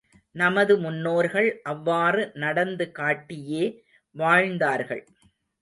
நமது முன்னோர்கள் அவ்வாறு நடந்து காட்டியே வாழ்ந்தார்கள்.